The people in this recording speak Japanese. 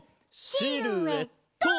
シルエット！